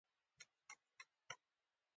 تاریخي دلیل یې دا دی.